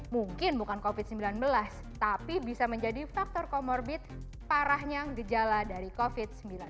mungkin bukan covid sembilan belas tapi bisa menjadi faktor comorbid parahnya gejala dari covid sembilan belas